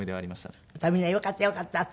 そしたらみんな「よかったよかった」って？